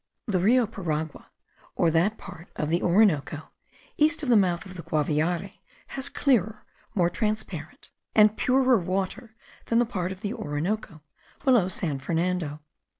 The Rio Paragua, or that part of the Orinoco east of the mouth of the Guaviare, has clearer, more transparent, and purer water than the part of the Orinoco below San Fernando.